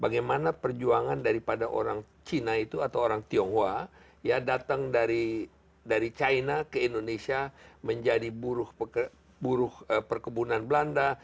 bagaimana perjuangan daripada orang cina itu atau orang tionghoa datang dari china ke indonesia menjadi buruh perkebunan belanda